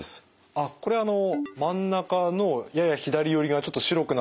あっこれはあの真ん中のやや左寄りがちょっと白くなってる。